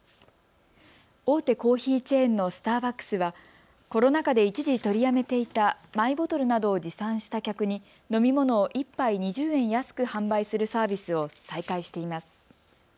大手コーヒーチェーンのスターバックスはコロナ禍で一時取りやめていたマイボトルなどを持参した客に飲み物を１杯２０円安く販売するサービスを再開しています。